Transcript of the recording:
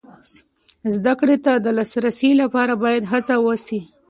زده کړې ته د لاسرسي لپاره باید هڅه وسي.